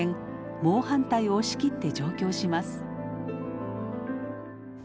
猛反対を押し切って上京します。